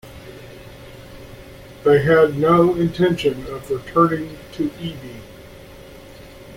They had no intention of returning to Evie.